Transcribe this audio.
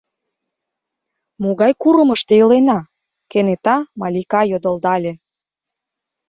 — Могай курымышто илена? — кенета Малика йодылдале.